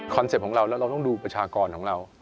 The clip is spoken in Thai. เป็ปต์ของเราแล้วเราต้องดูประชากรของเรา